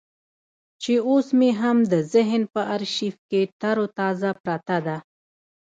چې اوس مې هم د ذهن په ارشيف کې ترو تازه پرته ده.